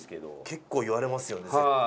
結構言われますよね絶対。